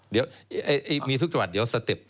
เดี๋ยวมีทุกจังหวัดเดี๋ยวสเต็ป